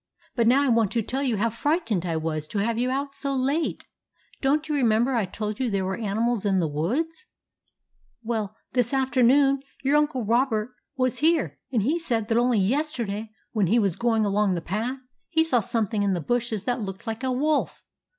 But now I want to tell you how frightened I was to have you out so late. Don't you remember I told you how there were animals in the woods ? Well, this afternoon, your Uncle Robert was here and he said that only yesterday, when he was going along the path, he saw something in the bushes that looked like a wolf